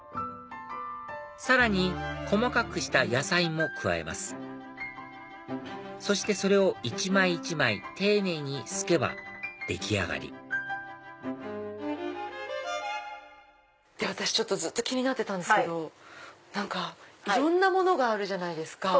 さらに細かくした野菜も加えますそしてそれを一枚一枚丁寧にすけば出来上がり私ずっと気になってたんですけどいろんなものがあるじゃないですか。